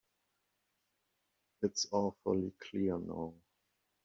It's awfully clear now.